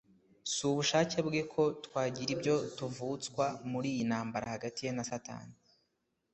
Si ubushake bwe ko twagira ibyo tuvutswa mur’iyi ntambara hagati ye na Satani